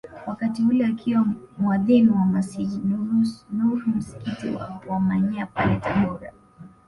Wakati ule akiwa muadhin wa Masjid Nur msikiti wa Wamanyema pale Tabora